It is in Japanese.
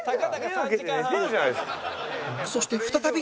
そして再び